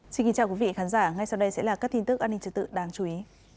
xin kính chào quý vị khán giả ngay sau đây sẽ là các tin tức an ninh trật tự đáng chú ý